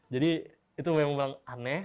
jadi itu memang aneh